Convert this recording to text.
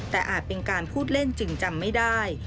แต่อาจเป็นการพูดเล่นจึงจำไม่ได้